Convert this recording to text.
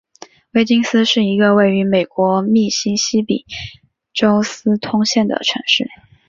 威金斯是一个位于美国密西西比州斯通县的城市。